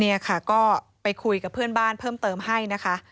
นี่ค่ะก็ไปคุยกับเพื่อนบ้านเพิ่มเติมให้นะคะ